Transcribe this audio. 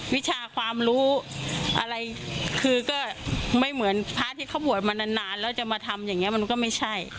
วิชาความรู้อะไรคือก็ไม่เหมือนพระที่เขาบวชมานานแล้วจะมาทำอย่างนี้มันก็ไม่ใช่